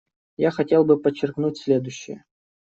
Я хотел бы подчеркнуть следующее.